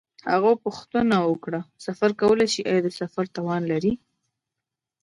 هغه پوښتنه وکړه: سفر کولای شې؟ آیا د سفر توان لرې؟